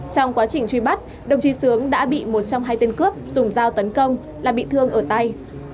trong quá trình truy bắt đồng chí sướng đã bị một trong hai tên cướp dùng dao tấn công là bị thương ở tay